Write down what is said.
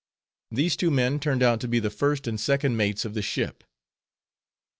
These two men turned out to be the first and second mates of the ship.